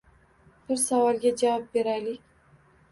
Bir savolga javob beraylik: